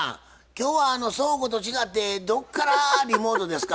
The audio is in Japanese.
今日は倉庫と違ってどっからリモートですか？